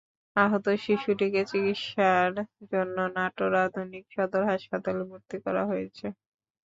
আহত শিশুটিকে চিকিৎসার জন্য নাটোর আধুনিক সদর হাসপাতালে ভর্তি করা হয়েছে।